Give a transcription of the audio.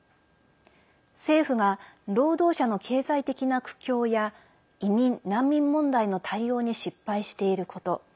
政府が労働者の経済的な苦境や移民・難民問題の対応に失敗していること。